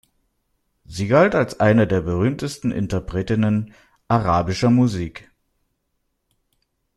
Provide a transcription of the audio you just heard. Sie galt als eine der berühmtesten Interpretinnen arabischer Musik.